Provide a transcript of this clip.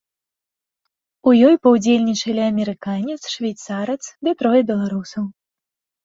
У ёй паўдзельнічалі амерыканец, швейцарац ды трое беларусаў.